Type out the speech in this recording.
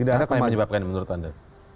kenapa menyebabkan menurut anda